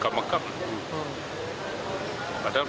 padahal pelayanan masyarakat kan harus ditutamakan